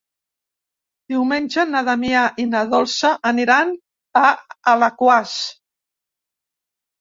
Diumenge na Damià i na Dolça aniran a Alaquàs.